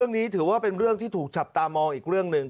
เรื่องนี้ถือว่าเป็นเรื่องที่ถูกจับตามองอีกเรื่องหนึ่ง